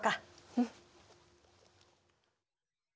うん。